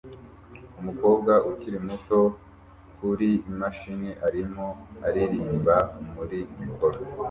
Umukobwa ukiri muto kuri imashini arimo aririmba muri mikoro